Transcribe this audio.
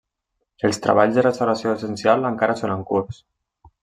Els treballs de restauració essencials encara són en curs.